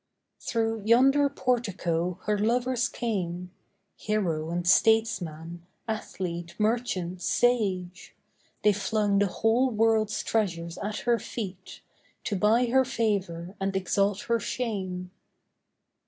Through yonder portico her lovers came— Hero and statesman, athlete, merchant, sage; They flung the whole world's treasures at her feet To buy her favour and exalt her shame.